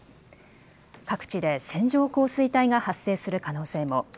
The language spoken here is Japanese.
各地で線状降水帯が発生する可能性も。